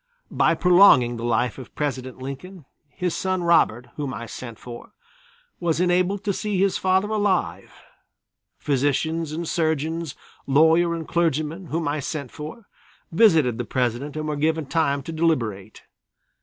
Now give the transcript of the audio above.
By prolonging the life of President Lincoln, his son Robert, whom I sent for, was enabled to see his father alive. Physicians and surgeons, lawyer and clergyman, whom I sent for, visited the President and were given time to deliberate.